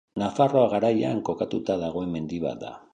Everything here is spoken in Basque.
Nafarroa Garaian kokatuta dagoen mendi bat da.